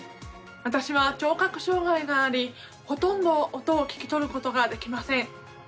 私は聴覚障害がありほとんど音を聞き取ることができません。